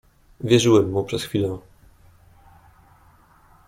"Wierzyłem mu przez chwilę."